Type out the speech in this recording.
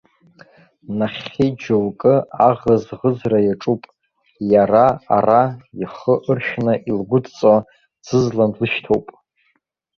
Нахьхьи џьоукы аӷызыӷызра иаҿуп, иара ара, ихы ыршәны илгәыдҵо, ӡызлан длышьҭоуп!